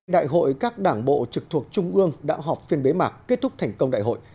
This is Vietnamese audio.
đại hội các đảng bộ trực thuộc trung ương đã họp phiên bế mạc kết thúc thành công đại hội